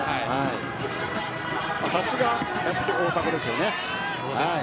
さすが大迫です。